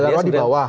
balarowa di bawah